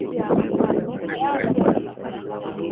twende kule nchini china